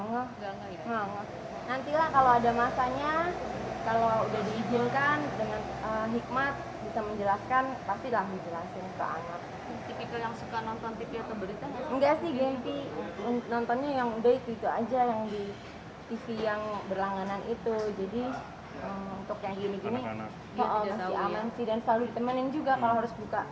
gisel juga malah harus buka pager